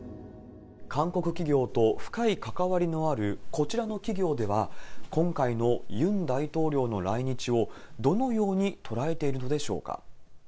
韓国企業と深い関わりのあるこちらの企業では、今回のユン大統領の来日をどのように捉えているのでしょうか。